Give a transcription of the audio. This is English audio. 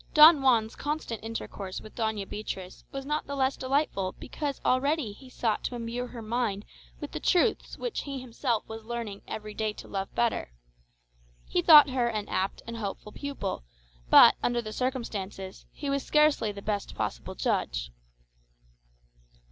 Don Juan's constant intercourse with Doña Beatriz was not the less delightful because already he sought to imbue her mind with the truths which he himself was learning every day to love better. He thought her an apt and hopeful pupil, but, under the circumstances, he was scarcely the best possible judge.